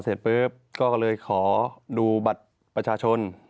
เสร็จปุ๊บก็เลยขอดูบัตรประชาชน